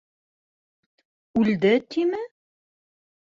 Үлде, тиме?